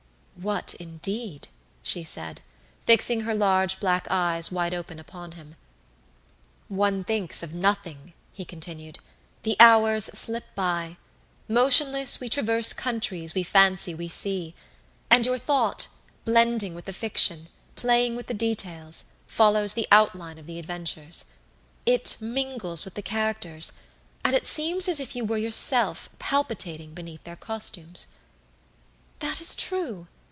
"What, indeed?" she said, fixing her large black eyes wide open upon him. "One thinks of nothing," he continued; "the hours slip by. Motionless we traverse countries we fancy we see, and your thought, blending with the fiction, playing with the details, follows the outline of the adventures. It mingles with the characters, and it seems as if it were yourself palpitating beneath their costumes." "That is true!